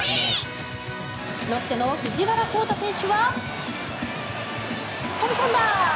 ロッテの藤原恭大選手は飛び込んだ！